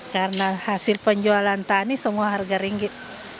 karena hasil penjualan tani semua harga ringgit